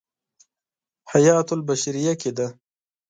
حیاة البشریة کې دی.